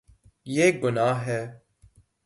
یے گناہ ہے